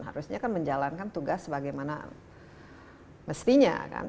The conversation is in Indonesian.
harusnya kan menjalankan tugas sebagaimana mestinya kan